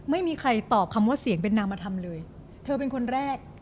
ไม่มีใครตอบคำว่าเสียงเป็นนามธรรมเลยเธอเป็นคนแรก